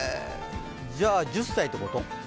じゃあ１０歳ってこと？